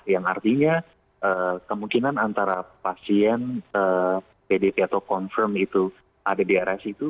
yang artinya kemungkinan antara pasien pdp atau confirm itu ada di rs itu